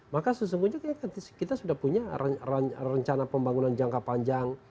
maka sesungguhnya kita sudah punya rencana pembangunan jangka panjang